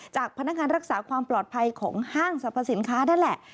จากพนักงานรักษาความปลอดภัยของห้างสรรพสินค้านั่นแหละ